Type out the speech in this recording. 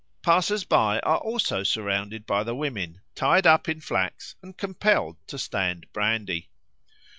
Passers by are also surrounded by the women, tied up in flax, and compelled to stand brandy.